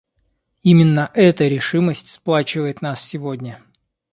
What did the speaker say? Именно эта решимость сплачивает нас сегодня.